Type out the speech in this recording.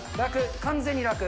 完全に楽。